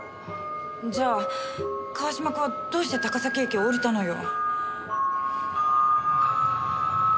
じゃあ川島君はどうして高崎駅を降りたのよ？